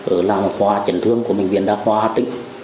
ở làng khoa trần thương của bệnh viện đa khoa tỉnh